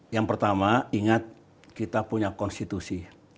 yang pertama ingat kita punya konstitusi